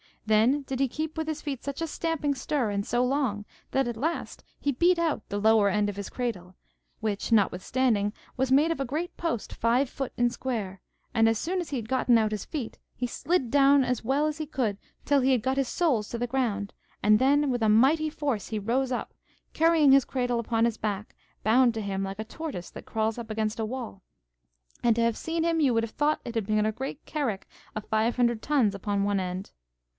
Then did he keep with his feet such a stamping stir, and so long, that at last he beat out the lower end of his cradle, which notwithstanding was made of a great post five foot in square; and as soon as he had gotten out his feet, he slid down as well as he could till he had got his soles to the ground, and then with a mighty force he rose up, carrying his cradle upon his back, bound to him like a tortoise that crawls up against a wall; and to have seen him, you would have thought it had been a great carrick of five hundred tons upon one end.